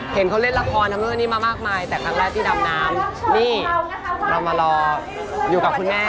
เห็นเขาเล่นละครทำนู่นนี่มามากมายแต่ครั้งแรกที่ดำน้ำนี่เรามารออยู่กับคุณแม่